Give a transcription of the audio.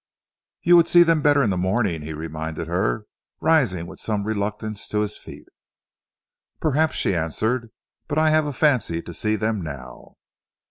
"You would see them better in the morning," he reminded her, rising with some reluctance to his feet. "Perhaps," she answered, "but I have a fancy to see them now."